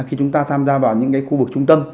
khi chúng ta tham gia vào những khu vực trung tâm